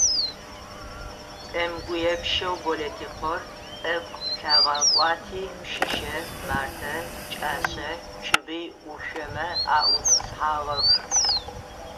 Кӏэмыгуепщэу Болэтыкъор тӏэкӏу лъагъэкӏуати Пщыщэ, Мартэ, Пкӏашъэ, Чыбый ӏушъомэ аӏутӏысхьагъэх.